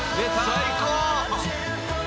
最高。